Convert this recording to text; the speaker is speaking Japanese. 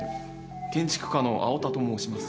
建築家の青田と申します。